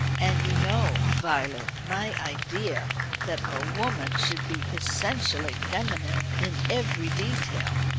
And you know, Violet, my idea that a woman should be essentially feminine in every detail.